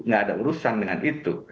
nggak ada urusan dengan itu